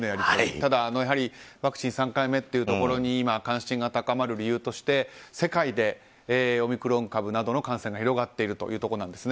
ただ、やはりワクチン３回目というところに今、関心が高まる理由として世界でオミクロン株などの感染が広がっているということなんですね。